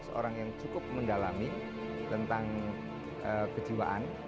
seorang yang cukup mendalami tentang kejiwaan